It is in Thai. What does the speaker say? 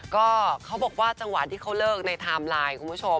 ก็เขาบอกว่าจังหวะที่เขาเลิกในไทม์ไลน์คุณผู้ชม